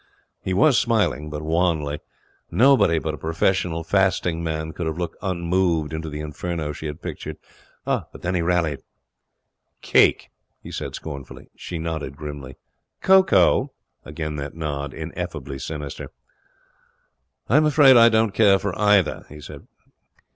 He was smiling, but wanly. Nobody but a professional fasting man could have looked unmoved into the Inferno she had pictured. Then he rallied. 'Cake!' he said, scornfully. She nodded grimly. 'Cocoa!' Again that nod, ineffably sinister. 'I'm afraid I don't care for either,' he said.